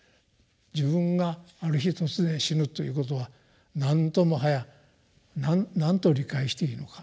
自分がある日突然死ぬということは何ともはやなんと理解していいのか。